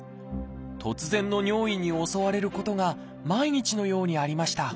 突然の尿意に襲われることが毎日のようにありました。